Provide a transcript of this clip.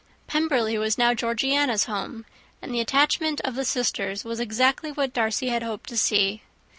Pemberley was now Georgiana's home; and the attachment of the sisters was exactly what Darcy had hoped to see.